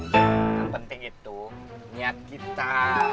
yang penting itu niat kita